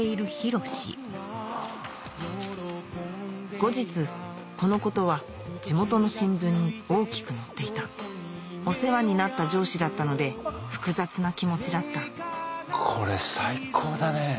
後日このことは地元の新聞に大きく載っていたお世話になった上司だったので複雑な気持ちだったこれ最高だね。